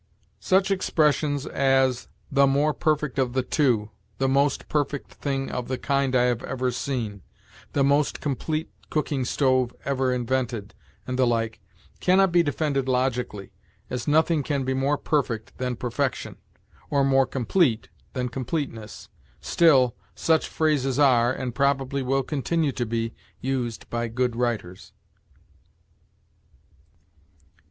Such expressions as, "the more perfect of the two," "the most perfect thing of the kind I have ever seen," "the most complete cooking stove ever invented," and the like, can not be defended logically, as nothing can be more perfect than perfection, or more complete than completeness. Still such phrases are, and probably will continue to be, used by good writers.